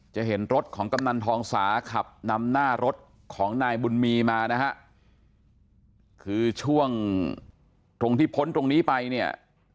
จะเห็นรถของกำนันทองสาขับนำหน้ารถของนายบุญมีมานะฮะคือช่วงตรงที่พ้นตรงนี้ไปเนี่ย